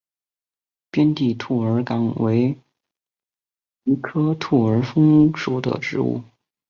边地兔儿风为菊科兔儿风属的植物。